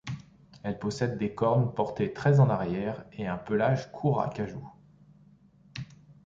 Elle possède des cornes portées très en arrière et un pelage court acajou.